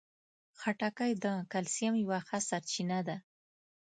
خټکی د کلسیم یوه ښه سرچینه ده.